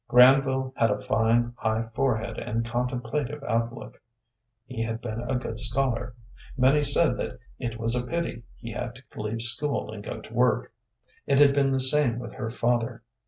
Granville had a fine, high forehead and contemplative outlook. He had been a good scholar. Many said that it was a pity he had to leave school and go to work. It had been the same with her father.